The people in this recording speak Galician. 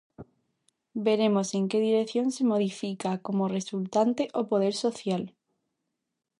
Veremos en que dirección se modifica, como resultante, o poder social.